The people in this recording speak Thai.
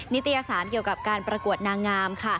ิตยสารเกี่ยวกับการประกวดนางงามค่ะ